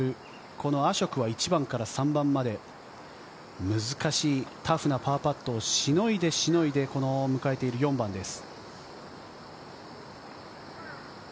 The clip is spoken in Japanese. このアショクは、１番から３番まで難しいタフなパーパットをしのいでしのいで迎えている４番です。